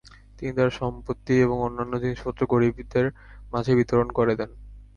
তিনি তার সম্পত্তি এবং অন্যান্য জিনিসপত্র গরীবদের মাঝে বিতরণ করে দেন।